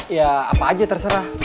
ya apa aja terserah